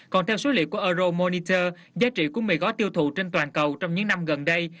còn theo số liệu của euro moniter giá trị của mì gói tiêu thụ trên toàn cầu trong những năm gần đây